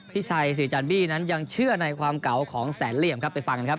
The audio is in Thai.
พี่ชัยศรีจันบี้นั้นยังเชื่อในความเก่าของแสนเหลี่ยมครับไปฟังกันครับ